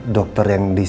dokter yang disini